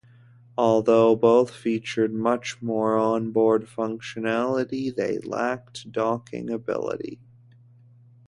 Although both featured much more onboard functionality, they lacked docking ability.